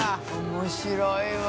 面白いわ。